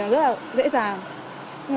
rất là dễ dàng